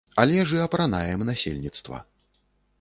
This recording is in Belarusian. Але ж і апранаем насельніцтва.